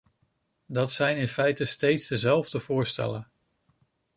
Dat zijn in feite steeds dezelfde voorstellen.